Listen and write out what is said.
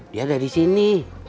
dia ada di sini